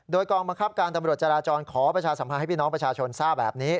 โดยกองบังคับการตำรวจจราจรขอประชาสัมพันธ์ให้พี่น้องประชาชนทราบแบบนี้